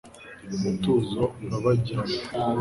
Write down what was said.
Umutuzo urabagirana